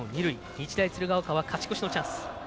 日大鶴ヶ丘は勝ち越しのチャンス。